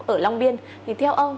ở long biên thì theo ông